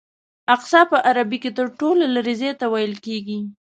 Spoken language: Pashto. اقصی په عربي ژبه کې تر ټولو لرې ځای ته ویل کېږي.